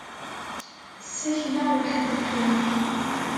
Ssakleɣ weḥd-i kan.